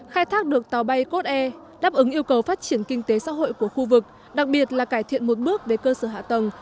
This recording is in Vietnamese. khai thác được tàu bay cốt e đáp ứng yêu cầu phát triển kinh tế xã hội của khu vực đặc biệt là cải thiện một bước về cơ sở hạ tầng